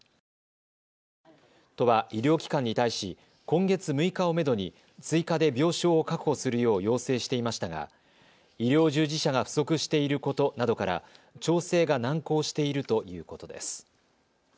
都は医療機関に対し今月６日をめどに追加で病床を確保するよう要請していましたが医療従事者が不足していることなどから調整が難航しているということです。